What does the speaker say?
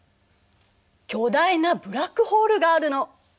巨大なブラックホールがあるの。